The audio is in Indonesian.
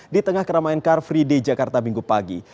di tengah keramaian car free day jakarta minggu pagi